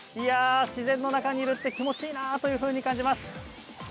自然の中って気持ちいいなと感じます。